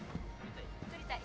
撮りたい？